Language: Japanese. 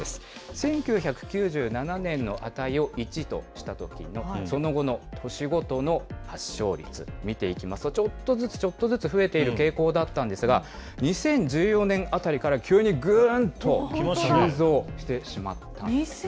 １９９７年の値を１としたときの、その後の年ごとの発症率見ていきますと、ちょっとずつちょっとずつ、増えている傾向だったんですが、２０１４年あたりから急にぐーんと急増してしまったんですね。